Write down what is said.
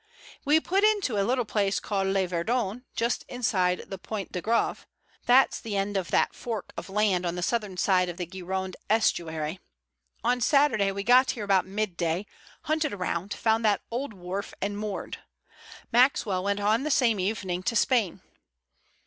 We put into a little place called Le Verdon, just inside the Pointe de Grave—that's the end of that fork of land on the southern side of the Gironde estuary. On Saturday we got here about midday, hunted around, found that old wharf and moored. Maxwell went on the same evening to Spain."